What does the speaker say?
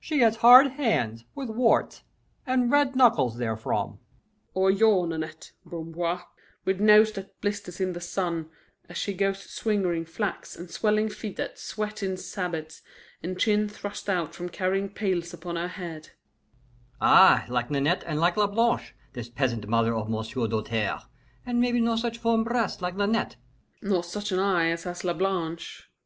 She has hard hands, with warts, and red knuckles therefrom " "Or your Nanette, Bamboir, with nose that blisters in the summer, as she goes swingeing flax, and swelling feet that sweat in sabots, and chin thrust out from carrying pails upon her head " "Ay, like Nanette and like Lablanche, this peasant mother of M'sieu' Doltaire, and maybe no such firm breasts like Nanette " "Nor such an eye as has Lablanche.